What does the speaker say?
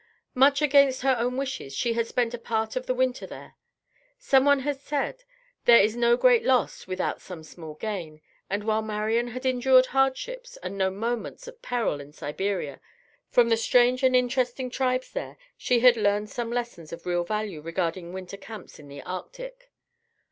Much against her own wishes, she had spent a part of the winter there. Someone has said "there is no great loss without some small gain"; and while Marian had endured hardships and known moments of peril in Siberia, from the strange and interesting tribes there she had learned some lessons of real value regarding winter camps in the Arctic.